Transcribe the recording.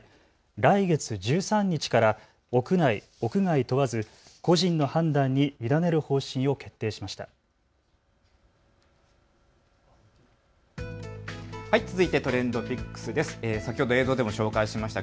来月１３日から屋内・屋外問わず個人の判断に委ねる方針を決定しました。